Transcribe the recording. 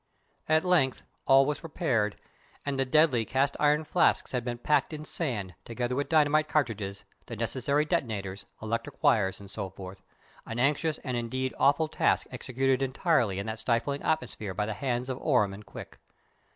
At length all was prepared, and the deadly cast iron flasks had been packed in sand, together with dynamite cartridges, the necessary detonators, electric wires, and so forth, an anxious and indeed awful task executed entirely in that stifling atmosphere by the hands of Orme and Quick.